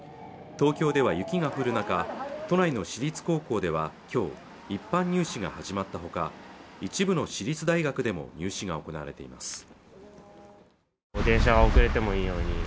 東京では雪が降る中、都内の私立高校では今日一般入試が始まったほか一部の私立大学でも入試が行われています